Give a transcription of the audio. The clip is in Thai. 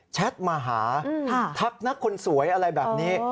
แท็ตมาหาทักนักคนสวยอะไรแบบนี้